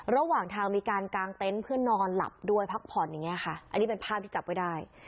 ระหว่างทางมีการกางเต็นต์เพื่อนอนหลับด้วยพักผ่อนอย่างเงี้ค่ะอันนี้เป็นภาพที่จับไว้ได้